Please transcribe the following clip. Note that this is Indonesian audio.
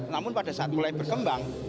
namun pada saat mulai berkembang